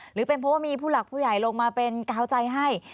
หรือเป็นเพราะว่ามีผู้หลักผู้ใหญ่ลงมาเป็นกาวใจให้